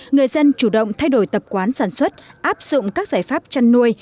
người dân chủ động thay đổi tập quán sản xuất áp dụng các giải pháp chăn nuôi